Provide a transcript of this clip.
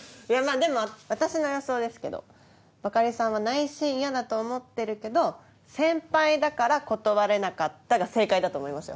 でも私の予想ですけどバカリさんは内心嫌だと思ってるけど先輩だから断れなかったが正解だと思いますよ。